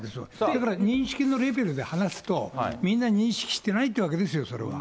だから認識のレベルで話すと、みんな認識してないっていうわけですよ、それは。